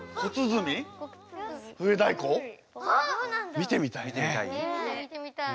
見てみたいね。